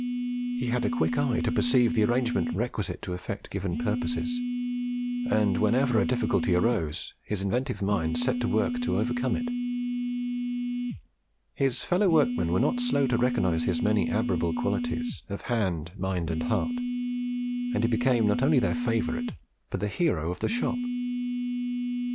He had a quick eye to perceive the arrangements requisite to effect given purposes; and whenever a difficulty arose, his inventive mind set to work to overcome it. His fellow workmen were not slow to recognise his many admirable qualities, of hand, mind, and heart; and he became not only the favourite, but the hero of the shop.